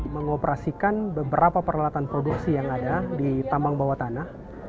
mengoperasikan beberapa peralatan produksi yang ada di tambang bawah tanah